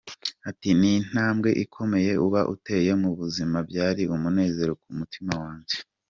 Ati “Ni intambwe ikomeye uba uteye mu buzima byari umunezero ku mutima wanjye.